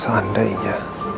gimana kalau seandainya